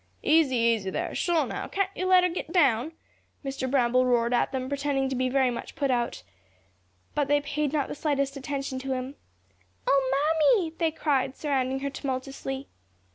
"Easy, easy there; sho now, can't you let her get down?" Mr. Bramble roared at them, pretending to be very much put out. But they paid not the slightest attention to him. "Oh, Mammy!" they cried, surrounding her tumultuously.